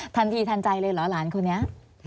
ทันทีทันใจเลยเหรอหลานคนนี้